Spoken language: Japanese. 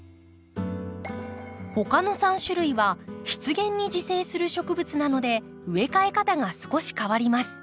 他の３種類は湿原に自生する植物なので植え替え方が少し変わります。